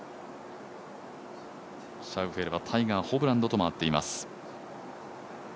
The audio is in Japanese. シャウフェレはタイガー、ホブランドと回っています。